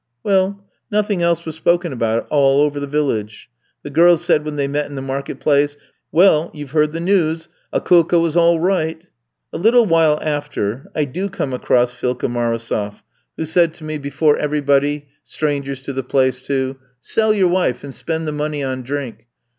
"Well, nothing else was spoken about all over the village. The girls said, when they met in the market place, 'Well, you've heard the news Akoulka was all right!' "A little while after I do come across Philka Marosof, who said to me before everybody, strangers to the place, too, 'Sell your wife, and spend the money on drink.